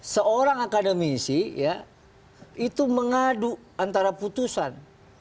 seorang akademisi ya itu mengadu antara putusan